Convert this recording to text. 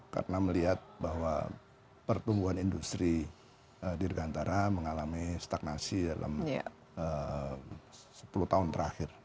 karena melihat bahwa pertumbuhan industri di rekantara mengalami stagnasi dalam sepuluh tahun terakhir